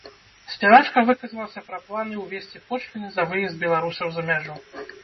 Спявачка выказалася пра планы ўвесці пошліны на выезд беларусаў за мяжу.